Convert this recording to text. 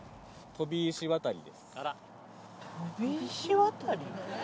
飛び石渡り？